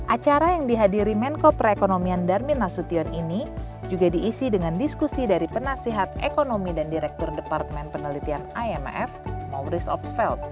acara yang dihadiri menko perekonomian darmin nasution ini juga diisi dengan diskusi dari penasihat ekonomi dan direktur departemen penelitian imf mauris opsfeld